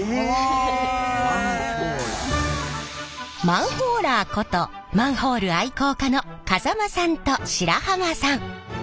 マンホーラーことマンホール愛好家の風間さんと白浜さん。